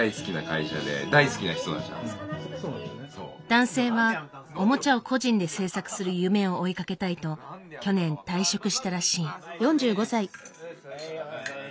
男性はおもちゃを個人で制作する夢を追いかけたいと去年退職したらしい。